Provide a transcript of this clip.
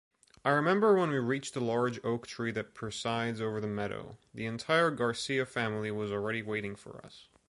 I remember when we reached the large oak tree that presides over the meadow, the entire Garcia family was already waiting for us.